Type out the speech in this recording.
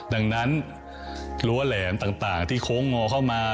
ดังนั้นรั้วแหลมต่างที่โค้งงอเข้ามา